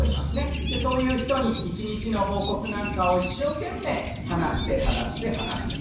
そういう人に一日の報告なんかを一生懸命話して話して話して。